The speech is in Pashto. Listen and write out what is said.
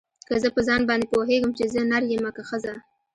که زه په ځان باندې پوهېږم چې زه نر يمه که ښځه.